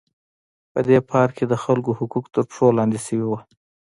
په دې پارک کې د خلکو حقوق تر پښو لاندې شوي وو.